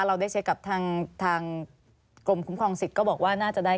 เราได้เช็คกับทางกรมคุ้มครองสิทธิ์ก็บอกว่าน่าจะได้